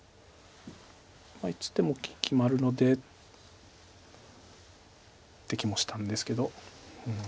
いつでも決まるのでできましたんですけど。